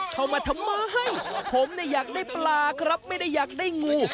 เข้ามาทำไมผมเนี่ยอยากได้ปลาครับไม่ได้อยากได้งู